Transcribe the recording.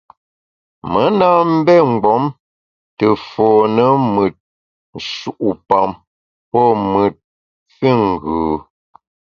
Me na mbé mgbom te fone mùt nshu’pam pô mùt füngù.